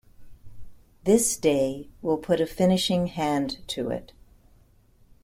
This day will put a finishing hand to it.